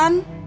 nggak tahu mak